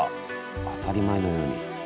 当たり前のように。